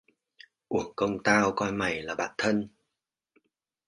Uổng công tao coi Mày là bạn thân